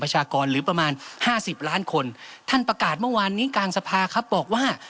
กรหรือประมาณห้าสิบล้านคนท่านประกาศเมื่อวานนี้กลางสภาครับบอกว่า